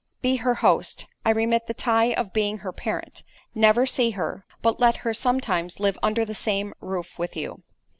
"Be her host; I remit the tie of being her parent. Never see her—but let her sometimes live under the same roof with you.